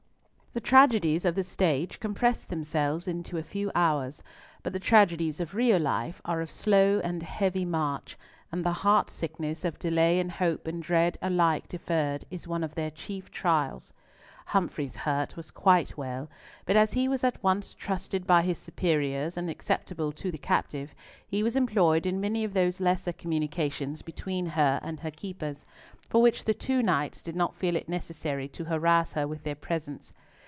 The tragedies of the stage compress themselves into a few hours, but the tragedies of real life are of slow and heavy march, and the heart sickness of delay and hope and dread alike deferred is one of their chief trials. Humfrey's hurt was quite well, but as he was at once trusted by his superiors, and acceptable to the captive, he was employed in many of those lesser communications between her and her keepers, for which the two knights did not feel it necessary to harass her with their presence.